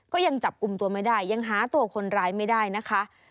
ก็ยังจับกลุ่มตัวไม่ได้ยังหาตัวคนร้ายไม่ได้นะคะ